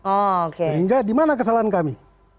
oke sehingga dimana kesalahan kami